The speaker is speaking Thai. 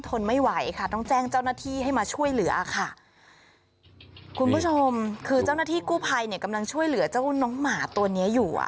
ทนไม่ไหวค่ะต้องแจ้งเจ้าหน้าที่ให้มาช่วยเหลือค่ะคุณผู้ชมคือเจ้าหน้าที่กู้ภัยเนี่ยกำลังช่วยเหลือเจ้าน้องหมาตัวเนี้ยอยู่อ่ะ